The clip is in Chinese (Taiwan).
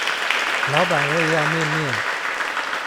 老闆我也要麵麵